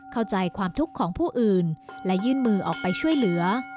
เข้าใจความทุกข์ของผู้อื่นและยื่นมือออกไปช่วยเหลือ